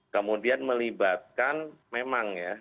kemudian melibatkan memang ya